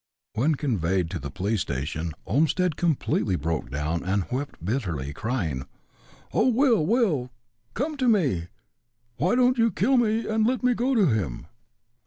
When conveyed to the police station Olmstead completely broke down and wept bitterly, crying: "Oh! Will, Will, come to me! Why don't you kill me and let me go to him!"